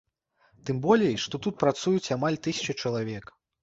Тым болей, што тут працуюць амаль тысяча чалавек.